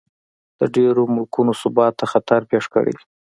د ډېرو ملکونو ثبات ته خطر پېښ کړی دی.